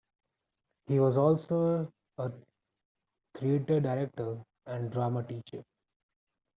He was also a theatre director and drama teacher.